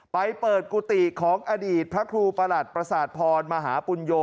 ไปเปิดกุฏิของอดีตพระครูประหลัดประสาทพรมหาปุญโย